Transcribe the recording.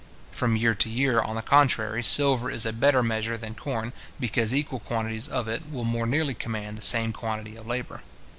From year to year, on the contrary, silver is a better measure than corn, because equal quantities of it will more nearly command the same quantity of labour.